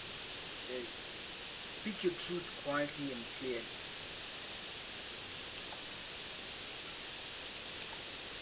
Speak your truth quietly and clearly